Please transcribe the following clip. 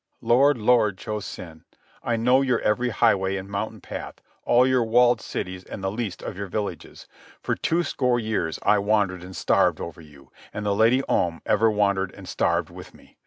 Lord, Lord, Cho Sen, I know your every highway and mountain path, all your walled cities and the least of your villages. For two score years I wandered and starved over you, and the Lady Om ever wandered and starved with me.